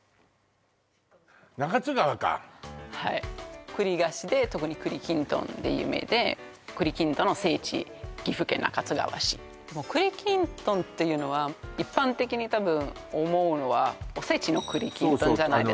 中津川かはい栗菓子で特に栗きんとんで有名で栗きんとんっていうのは一般的に多分思うのはおせちの栗きんとんじゃないですか？